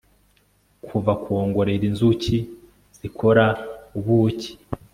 kuva kwongorera inzuki zikora aubuki